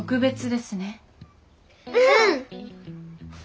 うん！